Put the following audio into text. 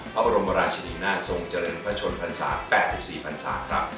พระบรมราชินินาทรงเจริญพระชนภรรษา๘๔๓๐๐ครับ